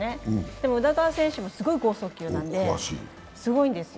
でも、宇田川選手もすごい剛速球なんで、すごいんですよ。